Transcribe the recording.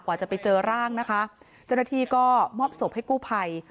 จะไปเจอร่างนะคะเจ้าหน้าที่ก็มอบศพให้กู้ภัย